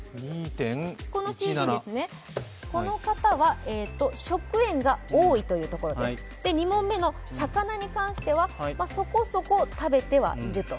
この方は食塩が多いというところです、２問目の魚に関しては、そこそこ食べてはいると。